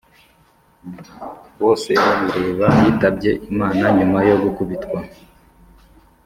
bosebabireba yitabye imana nyuma yo gukubitwa